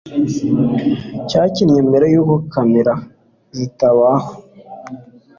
cyakinnye mbere yuko kamera zitabaho